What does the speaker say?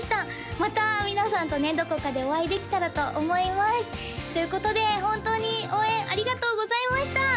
また皆さんとねどこかでお会いできたらと思いますということでホントに応援ありがとうございました！